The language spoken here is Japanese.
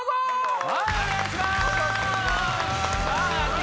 はいお願いします！